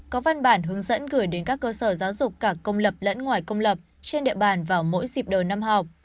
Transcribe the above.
có văn bản hướng dẫn gửi đến các cơ sở giáo dục cả công lập lẫn ngoài công lập trên địa bàn vào mỗi dịp đầu năm học